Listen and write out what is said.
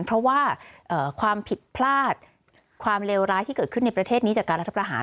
เพราะว่าความผิดพลาดความเลวร้ายที่เกิดขึ้นในประเทศนี้จากการรัฐประหาร